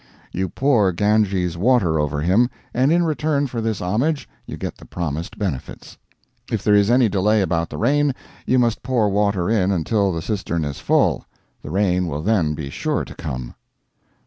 You pour Ganges water over him, and in return for this homage you get the promised benefits. If there is any delay about the rain, you must pour water in until the cistern is full; the rain will then be sure to come.